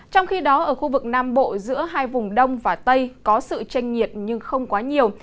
trong khi đó ở khu vực nam bộ giữa hai vùng đông và tây có sự tranh nhiệt nhưng không quá nhiều